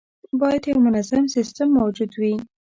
باید یو منظم سیستم موجود وي.